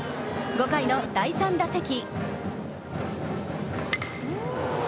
５回の第３打席。